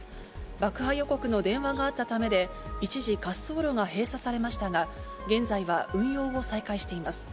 爆破予告の電話があったためで、一時、滑走路が閉鎖されましたが、現在は運用を再開しています。